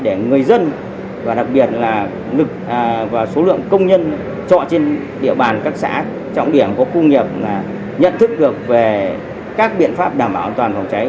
để người dân và đặc biệt là lực và số lượng công nhân trọ trên địa bàn các xã trọng điểm có khu nghiệp nhận thức được về các biện pháp đảm bảo an toàn phòng cháy